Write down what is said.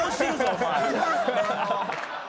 お前。